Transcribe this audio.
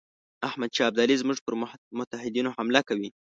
احمدشاه ابدالي زموږ پر متحدینو حمله کوي.